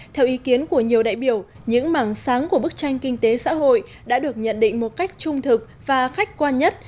theo ý kiến của nhiều đại biểu những mảng sáng của bức tranh kinh tế xã hội đã được nhận định một cách trung thực và khách quan nhất